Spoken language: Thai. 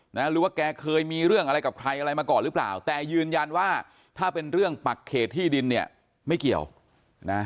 หรือว่าแกเคยมีเรื่องอะไรกับใครอะไรมาก่อนหรือเปล่าแต่ยืนยันว่าถ้าเป็นเรื่องปักเขตที่ดินเนี่ยไม่เกี่ยวนะ